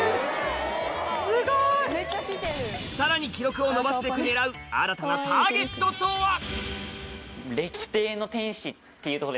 さらに記録を伸ばすべく狙う新たなターゲットとは？